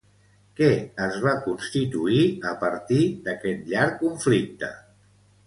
Què es va constituir a partir d'aquest llarg conflicte?